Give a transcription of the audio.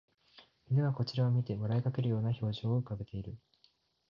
犬はこちらを見て笑いかけるような表情を浮かべる